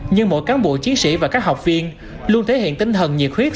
nhưng mỗi cán bộ chiến sĩ và các học viên luôn thể hiện tinh thần nhiệt huyết